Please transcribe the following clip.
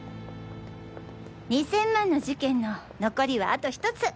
２０００万の事件の残りはあと１つ。